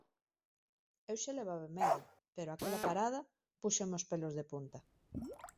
Eu xa levaba medo, pero aquela parada, púxome os pelos de punta